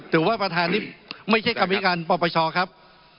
ถือว่าประธานนี่ไม่ใช่กรรมิการปปชครับ